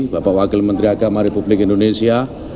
bapak wakil menteri agama republik indonesia